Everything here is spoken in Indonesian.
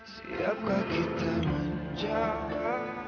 siapkah kita menjaga